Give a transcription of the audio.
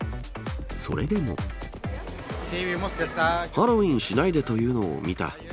ハロウィーンしないでというのを見た。